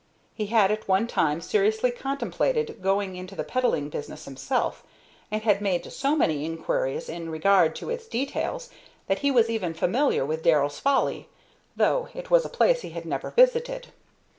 He had at one time seriously contemplated going into the peddling business himself, and had made so many inquiries in regard to its details that he was even familiar with "Darrell's Folly," though it was a place he had never visited.